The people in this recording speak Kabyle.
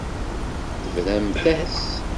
Tebramt-as.